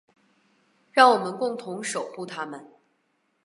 让我们共同守护她们。